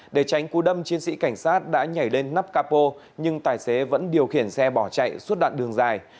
để tránh cú đâm chiến sĩ cảnh sát đã nhảy lên nắp capo nhưng tài xế vẫn điều khiển xe bỏ chạy suốt đoạn đường dài